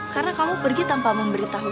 karena kamu pergi tanpa memberitahu